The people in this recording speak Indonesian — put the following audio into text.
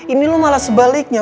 ini lo malah sebaliknya